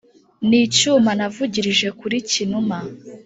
N’icyuma navugilije kuli Cyinuma.